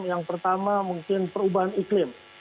yang pertama mungkin perubahan iklim